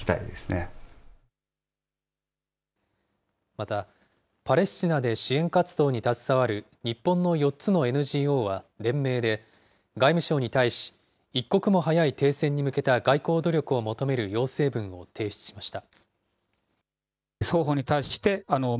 またパレスチナで支援活動に携わる日本の４つのＮＧＯは連名で、外務省に対し、一刻も早い停戦に向けた外交努力を求める要請文を提出しました。